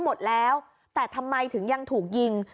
พ่อบอกว่าจริงแล้วก็เป็นยาดกันด้วย